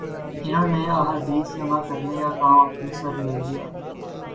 انہوں نے احادیث جمع کرنے کا کام اپنے سر لے لیا